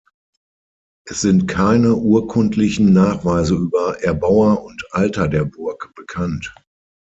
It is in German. Es sind keine urkundlichen Nachweise über Erbauer und Alter der Burg bekannt.